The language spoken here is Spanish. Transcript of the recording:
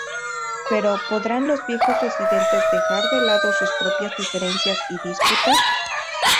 Pero ¿podrán los viejos residentes dejar de lado sus propias diferencias y disputas?